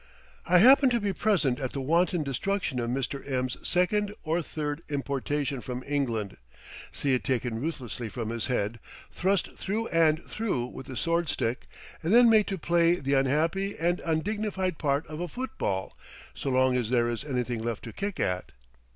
I happen to be present at the wanton destruction of Mr. M 's second or third importation from England, see it taken ruthlessly from his head, thrust through and through with a sword stick, and then made to play the unhappy and undignified part of a football so long as there is anything left to kick at.